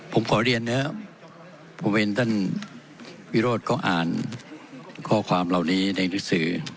ผมขอเรียนนะครับผมเห็นท่านวิโรธก็อ่านข้อความเหล่านี้ในหนังสือ